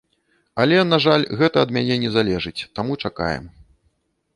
Але, на жаль, гэта ад мяне не залежыць, таму чакаем.